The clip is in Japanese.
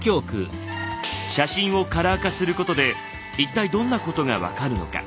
写真をカラー化することで一体どんなことが分かるのか。